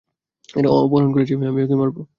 অপহরণ আমি করেছি, আমিই ওকে মারব।